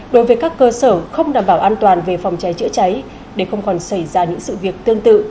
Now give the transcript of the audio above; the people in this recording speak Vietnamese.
đối với các cơ sở không đảm bảo an toàn về phòng cháy chữa cháy để không còn xảy ra những sự việc tương tự